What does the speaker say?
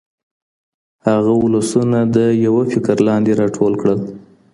هغه ولسونه د یو فکر لاندې را ټول کړل.